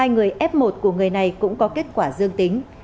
hai người f một của người này cũng có kết quả dương tính